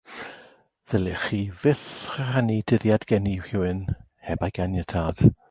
Ddylech chi fyth rannu dyddiad geni rhywun heb ei ganiatâd